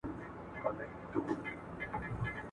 ده په تدريس کي يوه خاصه لاره